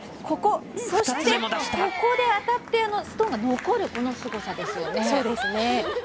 ここで当たってストーンが残るこのすごさですよね。